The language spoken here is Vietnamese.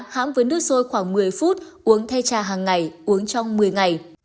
hãm với nước sôi khoảng một mươi phút uống thay trà hằng ngày uống trong một mươi ngày